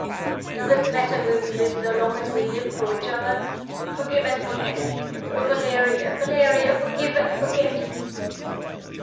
Does it matter where we live, so long as we live for each other? Forgive and forget! Oh, Valeria, Valeria, forgive and forget!"